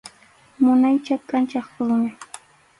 Munaycha kʼanchaq rumi.